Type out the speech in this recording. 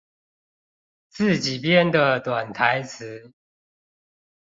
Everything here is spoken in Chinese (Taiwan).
自己編的短台詞